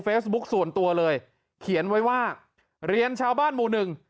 ส่วนตัวเลยเขียนไว้ว่าเรียนชาวบ้านหมู่หนึ่ง